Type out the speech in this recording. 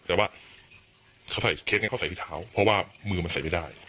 แต่ว่าเขาใส่เคสนั้นเขาใส่ที่เท้าเพราะว่ามือมันใส่ไม่ได้